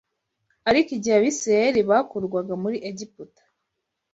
Ariko igihe Abisirayeli bakurwaga muri Egiputa